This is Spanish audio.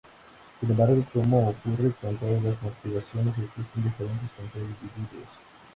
Sin embargo, como ocurre con todas las motivaciones, existen diferencias entre individuos.